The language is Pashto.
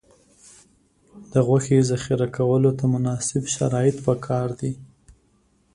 د غوښې ذخیره کولو ته مناسب شرایط پکار دي.